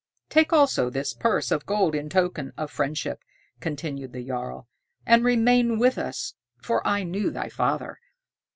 "Take also this purse of gold in token of friendship," continued the jarl, "and remain with us, for I knew thy father."